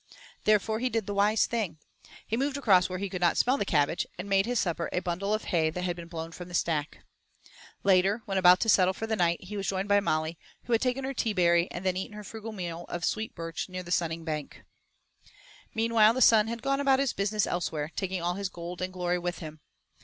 Therefore he did the wise thing. He moved across where he could not smell the cabbage and made his supper of a bundle of hay that had been blown from the stack. Later, when about to settle for the night, he was joined by Molly, who had taken her teaberry and then eaten her frugal meal of sweet birch near the Sunning Bank. Meanwhile the sun had gone about his business elsewhere, taking all his gold and glory with him.